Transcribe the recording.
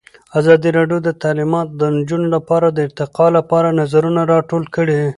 ازادي راډیو د تعلیمات د نجونو لپاره د ارتقا لپاره نظرونه راټول کړي.